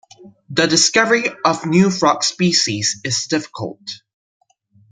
The discovery of new frog species is difficult.